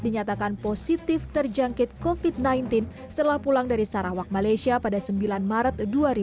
dinyatakan positif terjangkit covid sembilan belas setelah pulang dari sarawak malaysia pada sembilan maret dua ribu dua puluh